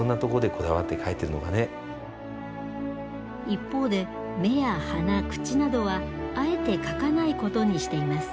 一方で目や鼻口などはあえて描かないことにしています。